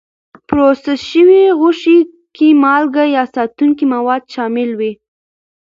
پروسس شوې غوښې کې مالکه یا ساتونکي مواد شامل وي.